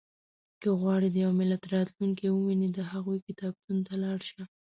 • که غواړې د یو ملت راتلونکی ووینې، د هغوی کتابتون ته لاړ شه.